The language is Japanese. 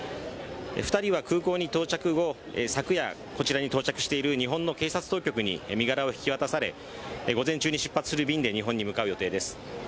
２人は空港に到着後、昨夜、こちらに到着している日本の警察当局に身柄を引き渡され午前中に出発する便で日本に向かう予定です。